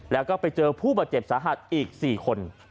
แล้วก็ไปเจอผู้บาดเจ็บสาหัสอีก๔คน